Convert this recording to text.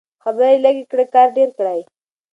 خبرې لږې کړئ کار ډېر کړئ.